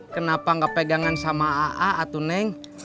kenapa nggak pegangan sama aa atau neng